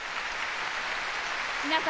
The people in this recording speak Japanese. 皆様